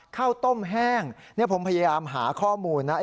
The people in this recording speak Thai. ข้าวต้มแห้งผมพยายามหาข้อมูลนะ